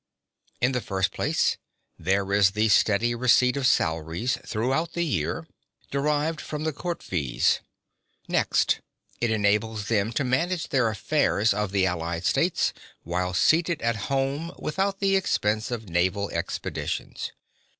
In the first place, there is the steady receipt of salaries throughout the year (42) derived from the court fees. (43) Next, it enables them to manage the affairs of the allied states while seated at home without the expense of naval expeditions.